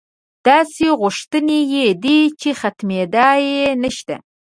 داسې غوښتنې یې دي چې ختمېدا یې نشته.